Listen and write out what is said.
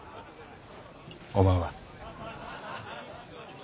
おまんは？